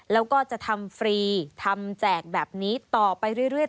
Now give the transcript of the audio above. แล้วก็จะทำฟรีทำแจกแบบนี้ต่อไปเรื่อย